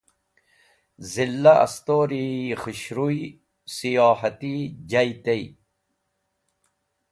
Zila Astori yi Khushruy Siyohati jay tey.